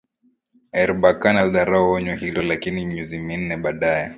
Erbakan alilidharau onyo hilo lakini miezi minne baadae